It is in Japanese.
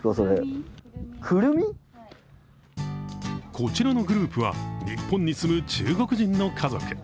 こちらのグループは日本に住む中国人の家族。